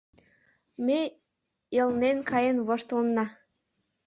Ме элнен каен воштылынна.